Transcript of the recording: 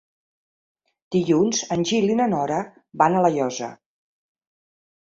Dilluns en Gil i na Nora van a La Llosa.